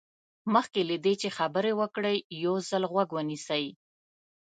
مخکې له دې چې خبرې وکړئ یو ځل غوږ ونیسئ.